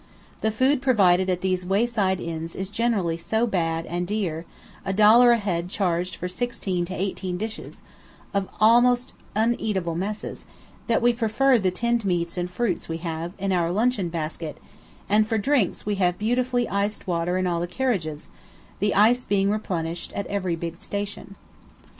The food provided at these wayside inns is generally so bad and dear, a dollar a head charged for sixteen to eighteen dishes, of almost uneatable messes, that we prefer the tinned meats and fruits we have, in our luncheon basket; and for drinks we have beautifully iced water in all the carriages, the ice being replenished at every big station.